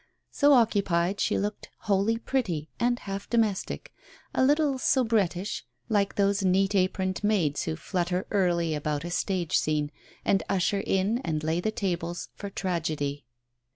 So occupied, she looked wholly pretty and half domestic, a little soubret tish, like those neat aproned maids who flutter early about a stage scene and usher in and lay the tables for tragedy.